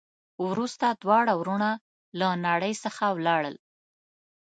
وروسته دواړه ورونه له نړۍ څخه ولاړل.